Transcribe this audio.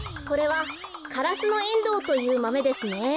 これはカラスノエンドウというマメですね。